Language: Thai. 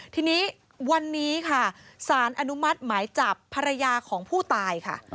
ทีนี้วันนี้ค่ะสารอนุมัติหมายจับภรรยาของผู้ตายค่ะ